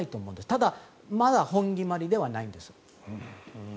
ただまだ本決まりではないんです。